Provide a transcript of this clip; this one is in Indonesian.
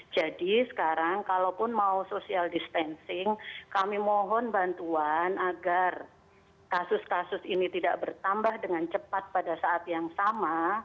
jadi sekarang kalau pun mau social distancing kami mohon bantuan agar kasus kasus ini tidak bertambah dengan cepat pada saat yang sama